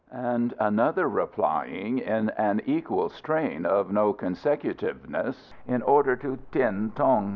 and another replying in an equal strain of no consecutiveness, "In order to T'in Tung!"